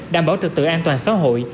đảm bảo trực tự an toàn xã hội